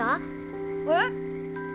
えっ？